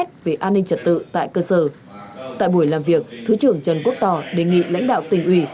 tại buổi làm việc thứ trưởng trần quốc tỏ đề nghị lãnh đạo tỉnh ủy